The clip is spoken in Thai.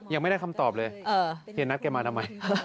ยังไม่ได้คำตอบเลยเฮียนัทแกมาทำไม